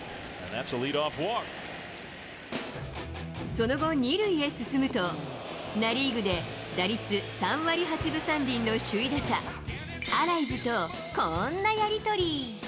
その後、２塁へ進むと、ナ・リーグで打率３割８分３厘の首位打者、アライズと、こんなやり取り。